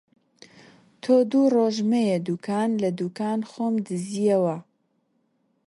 تۆ دوو ڕۆژ مەیە دووکان! لە دووکان خۆم دزییەوە